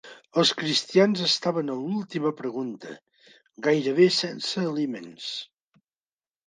Els cristians estaven a l'última pregunta, gairebé sense aliments.